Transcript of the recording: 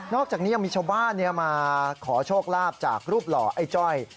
อกจากนี้ยังมีชาวบ้านมาขอโชคลาภจากรูปหล่อไอ้จ้อย